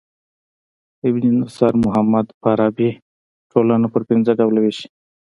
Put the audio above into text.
ابو نصر محمد فارابي ټولنه پر پنځه ډوله ويشي.